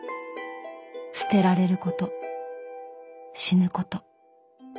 捨てられること死ぬこと。